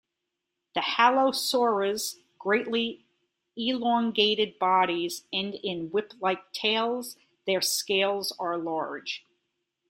The halosaurs' greatly elongated bodies end in whip-like tails; their scales are large.